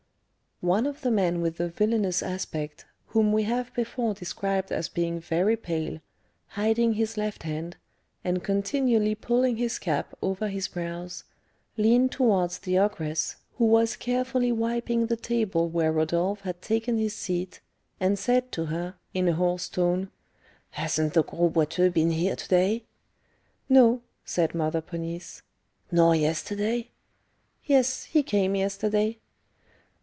One of the men with the villainous aspect, whom we have before described as being very pale, hiding his left hand, and continually pulling his cap over his brows, leaned towards the ogress, who was carefully wiping the table where Rodolph had taken his seat, and said to her, in a hoarse tone, "Hasn't the Gros Boiteux been here to day?" "No," said Mother Ponisse. "Nor yesterday?" "Yes, he came yesterday."